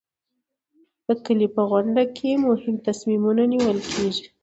د کلي په غونډه کې مهم تصمیمونه نیول کېږي.